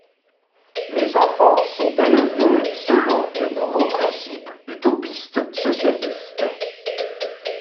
Les enfants sont élevés selon de nouveaux principes utopistes socialistes.